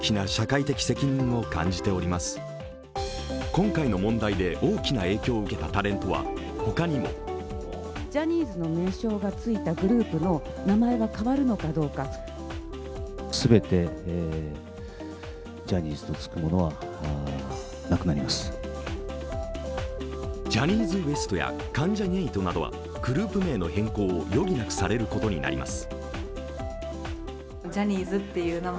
今回の問題で大きな影響を受けたタレントは、他にもジャニーズＷＥＳＴや関ジャニ∞などはグループ名の変更を余儀なくされることになります。